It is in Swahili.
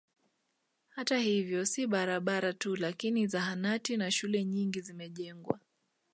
Hata hivyo si barabara tu lakini zahanati na shule nyingi zimejengwa